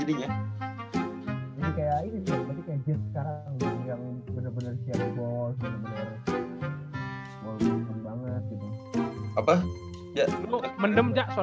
jadi kayak ini nih berarti kayak jets sekarang yang bener bener siap